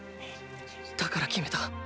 だから決めた。